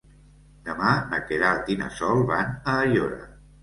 Demà na Queralt i na Sol van a Aiora.